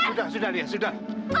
sudah sudah liya sudah